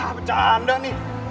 nah bercanda nih